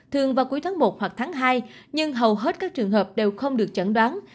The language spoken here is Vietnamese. thường vào cuối tháng một hoặc tháng hai nhưng hầu hết các trường hợp đều không được chẩn đoán